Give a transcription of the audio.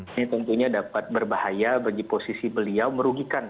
ini tentunya dapat berbahaya bagi posisi beliau merugikan